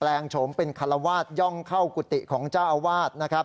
แปลงโฉมเป็นคารวาสย่องเข้ากุฏติของเจ้าอวาส